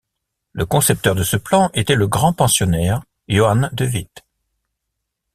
Le concepteur de ce plan était le grand-pensionnaire Johan de Witt.